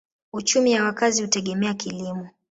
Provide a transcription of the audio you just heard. Uchumi ya wakazi hutegemea kilimo.